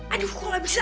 aduh kok gak bisa